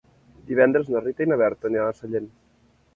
Divendres na Rita i na Berta aniran a Sellent.